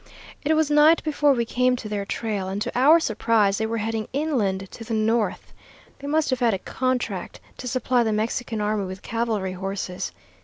"It was night before we came to their trail, and to our surprise they were heading inland, to the north. They must have had a contract to supply the Mexican army with cavalry horses.